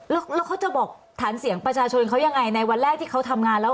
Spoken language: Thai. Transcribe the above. แล้วเขาจะบอกฐานเสียงประชาชนเขายังไงในวันแรกที่เขาทำงานแล้ว